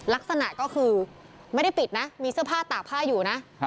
ลักษณะก็คือไม่ได้ปิดนะมีเสื้อผ้าตากผ้าอยู่นะ